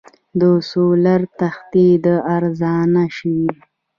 د سولر تختې ارزانه شوي؟